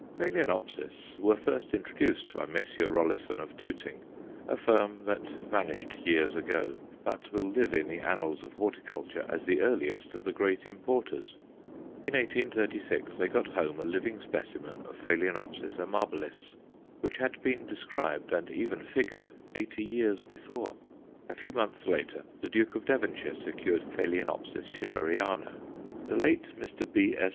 Phaloenopsis were first introduced by Messrs. Rollisson, of Tooting, a firm that vanished years ago, but will live in the annals of horticulture as the earliest of the great importers. In 1836 they got home a living specimen of Ph. amabilis, which had been described, and even figured, eighty years before. A few months later the Duke of Devonshire secured Ph. Schilleriana. The late Mr. B.S.